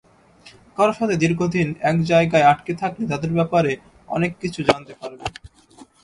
কারো সাথে দীর্ঘদিন এক জায়গায় আটকে থাকলে তাদের ব্যাপারে অনেক কিছু জানতে পারবে।